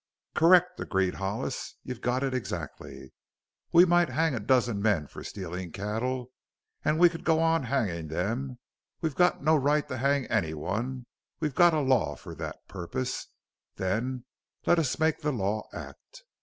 "Correct!" agreed Hollis; "you've got it exactly. We might hang a dozen men for stealing cattle and we could go on hanging them. We've got no right to hang anyone we've got a law for that purpose. Then let us make the law act!"